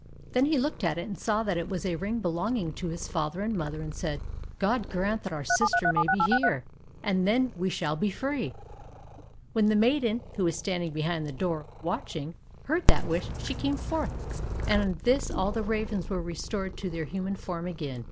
Then he looked at it, and saw that it was a ring belonging to his father and mother, and said, "God grant that our sister may be here, and then we shall be free." When the maiden, who was standing behind the door watching, heard that wish, she came forth, and on this all the ravens were restored to their human form again.